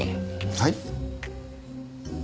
はい？